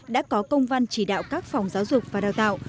đã có công văn chỉ đạo các phòng giáo dục và đào tạo